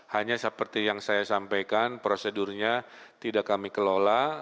hanya seperti yang saya sampaikan prosedurnya tidak kami kelola